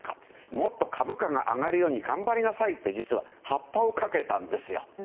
もっと株価が上がるように頑張りなさいって実は発破をかけたんですよ。